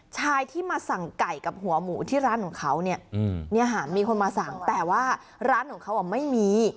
ชายที่มาสั่งไก่กับหัวหมูที่ร้านของเขาเนี่ยค่ะมีคนมาสั่งแต่ว่าร้านของเขาไม่มี